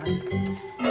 sampai jumpa lagi